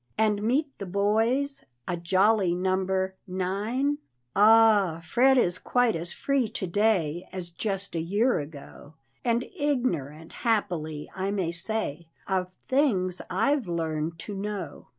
and meet the boys, A jolly number nine?" Ah, Fred is quite as free to day As just a year ago, And ignorant, happily, I may say, Of things I've learned to know.